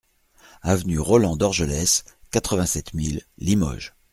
Avenue Roland Dorgelès, quatre-vingt-sept mille Limoges